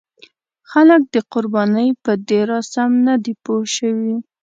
خلک د قربانۍ په دې راز سم نه دي پوه شوي.